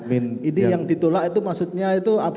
ini yang ditolak itu maksudnya itu apa